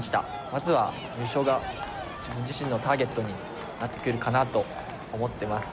まずは入賞が、自分自身のターゲットになってくるかと思います。